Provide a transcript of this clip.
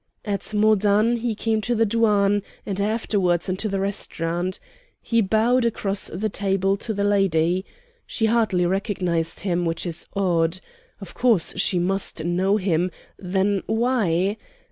"At Modane he came to the Douane, and afterwards into the restaurant. He bowed across the table to the lady. She hardly recognized him, which is odd. Of course she must know him; then why